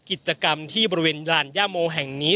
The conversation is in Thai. กิจกรรมที่บริเวณด่านย่าโมแห่งนี้